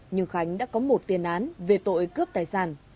nhưng khánh đã có một tiền án về tội cướp tài sản